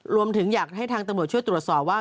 รวมถึงอยากให้ทางตำรวจช่วยตรวจสอบว่า